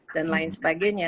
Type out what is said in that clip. dan lain sebagainya